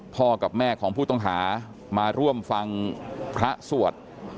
กับแม่ของผู้ต้องหามาร่วมฟังพระสวด